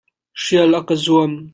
Hrial a ka zuam.